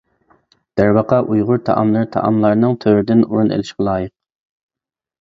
دەرۋەقە، ئۇيغۇر تائاملىرى تائاملارنىڭ تۆرىدىن ئورۇن ئېلىشقا لايىق.